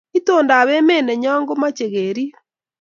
Itondab emeet nenyoo ko mochei keriib